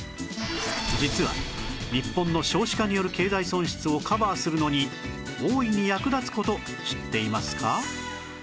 実は日本の少子化による経済損失をカバーするのに大いに役立つ事知っていますか？